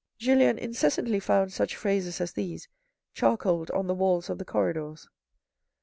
Julien incessantly found such phrases as these charcoaled on the walls of the corridors.